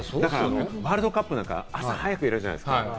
ワールドカップなんか朝早くやるじゃないですか。